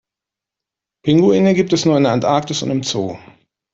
Pinguine gibt es nur in der Antarktis und im Zoo.